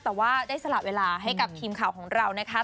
แต่ว่าได้สละเวลาให้กับทีมข่าวของเรานะคะ